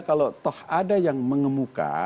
kalau toh ada yang mengemuka